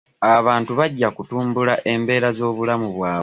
Abantu bajja kutumbula embeera z'obulamu bwabwe.